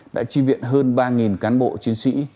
đã trì viện hơn ba cán bộ chiến sĩ